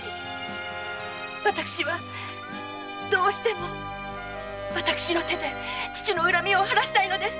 私はどうしても私の手で父の恨みを晴らしたいのです！